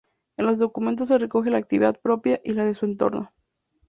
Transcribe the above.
En los documentos se recoge la actividad propia y la de su entorno.